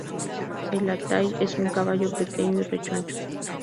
El Altái es un caballo pequeño y rechoncho.